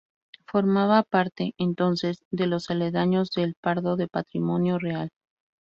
Formaba parte, entonces, de los aledaños de El Pardo, de patrimonio real.